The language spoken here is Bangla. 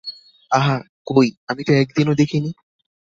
আহা, কই, আমি তো একদিনও দেখি নি!